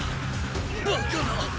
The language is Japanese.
バカな！